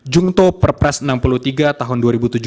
jungto perpres enam puluh tiga tahun dua ribu tujuh belas